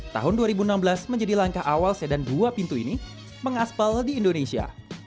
tahun dua ribu enam belas menjadi langkah awal sedan dua pintu ini mengaspal di indonesia